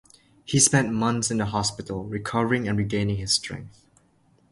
He spent months in the hospital, recovering and regaining his strength.